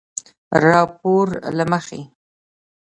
راپورله مخې